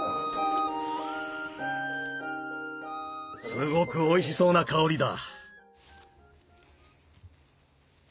すごくおいしそうな香りだ！